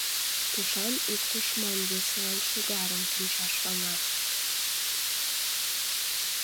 Тушан ик тушман весылан шӱгарым кӱнчаш ваҥа.